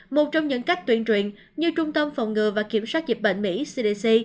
một trong những cách tuyên truyền như trung tâm phòng ngừa và kiểm soát dịch bệnh mỹ cdc